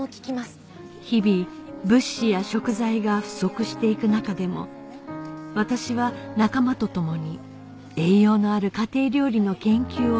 日々物資や食材が不足していく中でも私は仲間と共に栄養のある家庭料理の研究を続けました